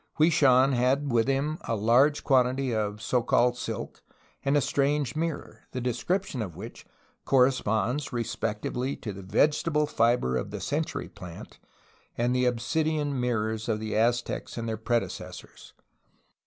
Hwui Shan had with him a large quantity of so called silk and a strange mirror, the de scription of which corresponds respectively to the vegetable fiber of the century plant and the obsidian mirrors of the Az tecs and their predecessors.